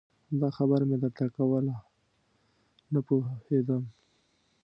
همدا خبره مې درته کوله نه پوهېدم.